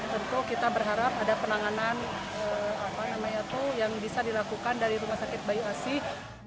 tentu kita berharap ada penanganan apa namanya tuh yang bisa dilakukan dari rumah sakit bayu asih